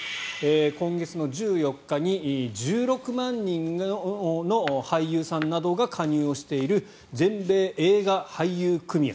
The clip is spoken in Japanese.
今月１４日に１６万人の俳優さんなどが加入をしている全米映画俳優組合。